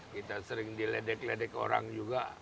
kita sering diledek ledek orang juga